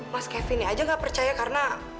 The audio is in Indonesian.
mas kevin ini aja nggak percaya karena